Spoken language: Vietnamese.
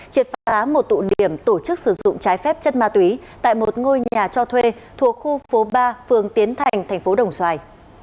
triệt phá một tụ điểm tổ chức sử dụng trái phép chất ma túy tại một ngôi nhà cho thuê thuộc khu phố ba phường tiến thành thành phố đồng xoài